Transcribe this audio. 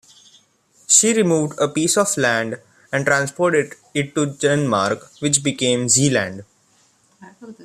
She removed a piece of land and transported it to Denmark, which became Zealand.